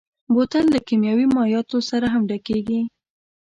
بوتل له کيمیاوي مایعاتو سره هم ډکېږي.